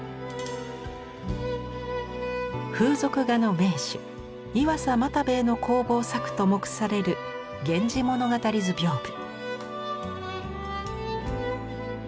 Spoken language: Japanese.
風俗画の名手岩佐又兵衛の工房作と目される「源氏物語図屏風」。